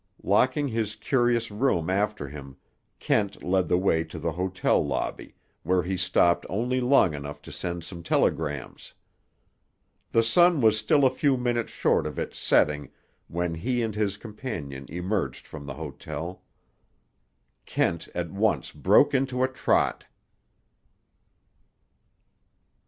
Locking his curious room after him, Kent led the way to the hotel lobby, where he stopped only long enough to send some telegrams. The sun was still a few minutes short of its setting when he and his companion emerged from the hotel. Kent at once broke into a trot.